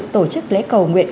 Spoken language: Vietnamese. tổ chức lễ cầu nguyện